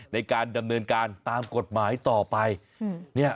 ในการดำเนินการตามกฎหมายต่อไป